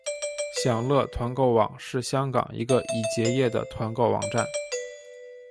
享乐团购网是香港一个已结业的团购网站。